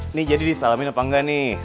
ini jadi disalamin apa enggak nih